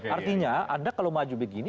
artinya anda kalau maju begini